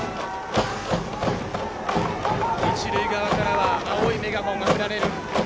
一塁側からは青いメガホンが振られる。